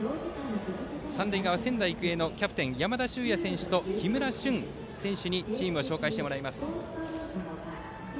三塁側、仙台育英のキャプテン山田脩也選手と木村選手にチームを紹介してもらいます。